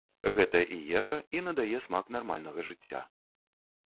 Гэта і ежа, і надае смак нармальнага жыцця.